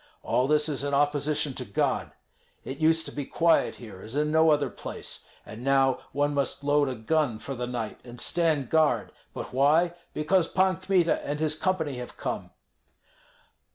All this is in opposition to God. It used to be quiet here as in no other place, and now one must load a gun for the night and stand guard; but why? Because Pan Kmita and his company have come."